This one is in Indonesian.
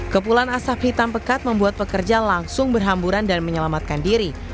kepulan asap hitam pekat membuat pekerja langsung berhamburan dan menyelamatkan diri